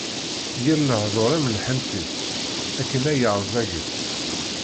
Yir lehduṛ am lḥentit, akken ay ṛẓagit.